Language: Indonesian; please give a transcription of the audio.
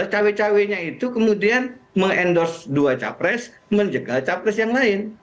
cawe cawe nya itu kemudian mengendorse dua capres menjegal capres yang lain